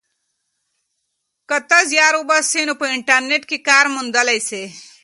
که ته زیار وباسې نو په انټرنیټ کې کار موندلی سې.